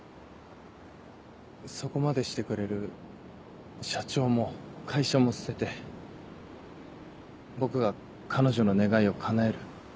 そこまでしてくれる社長も会社も捨てて僕が彼女の願いを叶える。